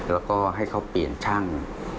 แล้วก็ให้เขาเปลี่ยนช่าง